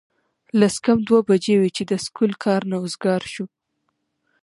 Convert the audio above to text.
لس کم دوه بجې وې چې د سکول کار نه اوزګار شو